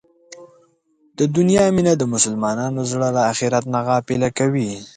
د دنیا مینه د مسلمان زړه له اخرت نه غافله کوي.